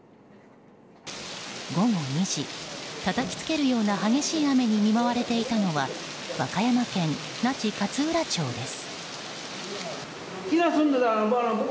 午後２時、たたきつけるような激しい雨に見舞われていたのは和歌山県那智勝浦町です。